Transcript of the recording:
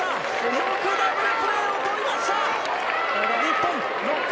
よくダブルプレーを取りました！